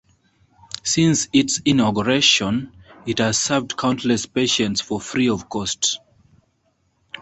Since its inauguration, it has served countless patients for free of cost.